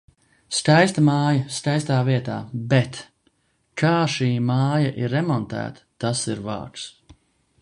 Skaista māja, skaistā vietā. Bet... Kā šī māja ir remontēta, tas ir vāks.